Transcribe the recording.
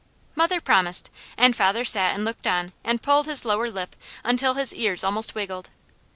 Mother promised, and father sat and looked on and pulled his lower lip until his ears almost wiggled.